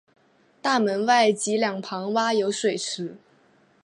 大门外及两旁挖有水池。